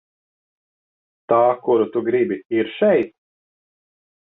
Tā kuru tu gribi, ir šeit?